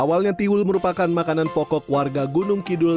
awalnya tiwul merupakan makanan pokok warga gunung kidul